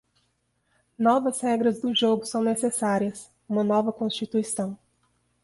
Novas regras do jogo são necessárias, uma nova Constituição.